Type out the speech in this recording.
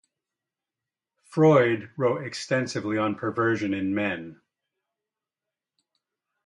Freud wrote extensively on perversion in men.